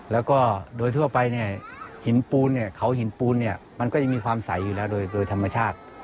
แล้วก็โดยทั่วไปเนี่ยหินปูนเนี่ยเขาหินปูนเนี่ยมันก็ยังมีความใสอยู่แล้วโดยธรรมชาติ